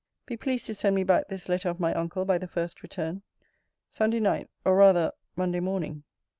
Be pleased to send me back this letter of my uncle by the first return. SUNDAY NIGHT, OR RATHER MINDAY MORNING.